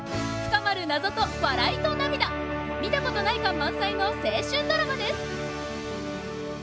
深まる謎と笑いと涙見たことない感満載の青春ドラマです！